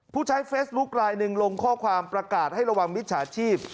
ผู้ใช้เฟซบุ๊คไลน์หนึ่งลงข้อความประกาศให้ระวังมิจฉาชีพ